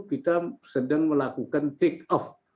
kita sedang melakukan take off